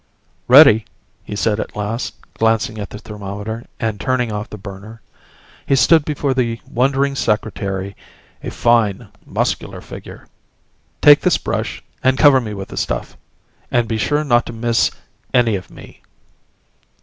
"Ready," he said at last, glancing at the thermometer and turning off the burner. He stood before the wondering Secretary, a fine, muscular figure. "Take this brush and cover me with the stuff. And be sure not to miss any of me!"